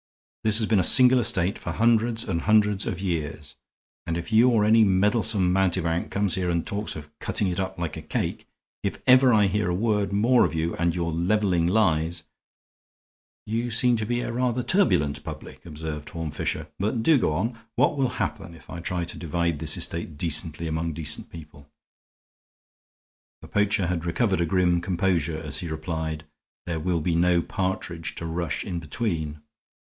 This has been a single estate for hundreds and hundreds of years, and if you or any meddlesome mountebank comes here and talks of cutting it up like a cake, if I ever hear a word more of you and your leveling lies " "You seem to be a rather turbulent public," observed Horne Fisher, "but do go on. What will happen if I try to divide this estate decently among decent people?" The poacher had recovered a grim composure as he replied. "There will be no partridge to rush in between."